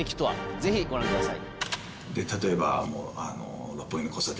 ぜひご覧ください。